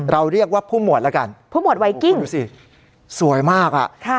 เราเรียกว่าผู้หมวดแล้วกันผู้หมวดไวกิ้งดูสิสวยมากอ่ะค่ะ